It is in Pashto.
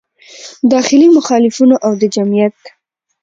داخلي مخالفینو او د جمعیت